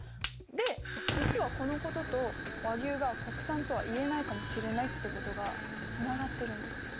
で実はこのことと和牛が国産とは言えないかもしれないってことがつながってるんですよ！